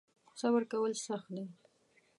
صبر کول سخت دی .